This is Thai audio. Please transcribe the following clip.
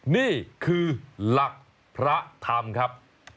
นี่คือหลักพระธรรมครับ